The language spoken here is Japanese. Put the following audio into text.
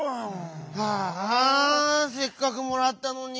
ああせっかくもらったのに。